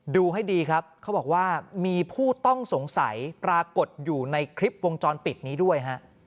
ดูให้ดีครับเขาบอกว่ามีผู้ต้องสงสัยปรากฏอยู่ในคลิปวงจรปิดนี้ด้วยฮะ